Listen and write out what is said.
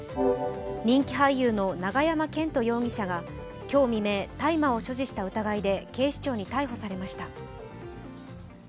人気俳優の永山絢斗容疑者が今日未明、大麻を所持した疑いで警視庁に逮捕されました。